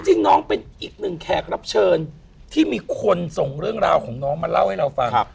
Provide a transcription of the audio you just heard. จริงน้องเป็นอีกหนึ่งแขกรับเชิญที่มีคนส่งเรื่องราวของน้องมาเล่าให้เราฟัง